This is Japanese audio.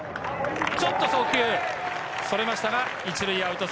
ちょっと送球がそれましたが、１塁アウト。